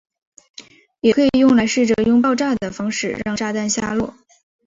也可以用来试着用爆炸的方式让炸弹下落。